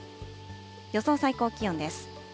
予想最高気温です。